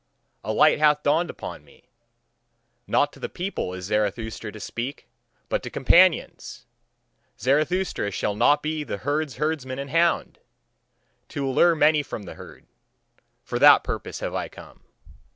A light hath dawned upon me. Not to the people is Zarathustra to speak, but to companions! Zarathustra shall not be the herd's herdsman and hound! To allure many from the herd for that purpose have I come.